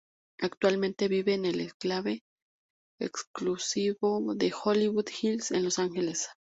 Actualmente vive en el enclave exclusivo de Hollywood Hills en Los Ángeles.